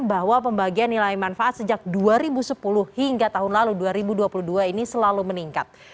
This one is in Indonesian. bahwa pembagian nilai manfaat sejak dua ribu sepuluh hingga tahun lalu dua ribu dua puluh dua ini selalu meningkat